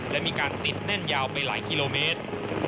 และมีการติดแน่นยาวไปหลายกิโลเมตร